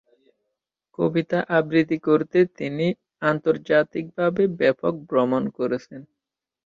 কবিতা আবৃত্তি করতে তিনি আন্তর্জাতিকভাবে ব্যাপক ভ্রমণ করেছেন।